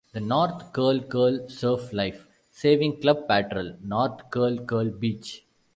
The North Curl Curl Surf Life Saving Club patrol North Curl Curl Beach.